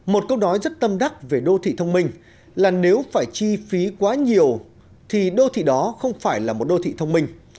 một câu nói rất tâm đắc về đô thị thông minh là nếu phải chi phí quá nhiều thì đô thị đó không phải là một đô thị thông minh